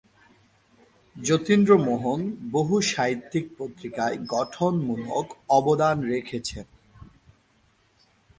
যতীন্দ্রমোহন বহু সাহিত্যিক পত্রিকায় গঠনমূলক অবদান রেখেছেন।